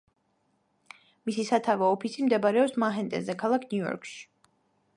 მისი სათავო ოფისი მდებარეობს მანჰეტენზე, ქალაქ ნიუ-იორკში.